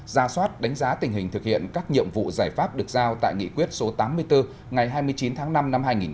ra soát đánh giá tình hình thực hiện các nhiệm vụ giải pháp được giao tại nghị quyết số tám mươi bốn ngày hai mươi chín tháng năm năm hai nghìn một mươi chín